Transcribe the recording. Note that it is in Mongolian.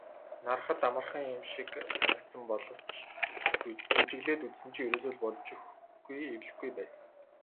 Hарахад амархан юм шиг санагдсан боловч бүжиглээд үзсэн чинь ерөөсөө болж өгөхгүй эвлэхгүй байсан.